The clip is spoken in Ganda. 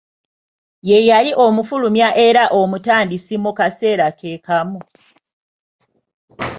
Ye yali omufulumya era omutandisi mu kaseera ke kamu.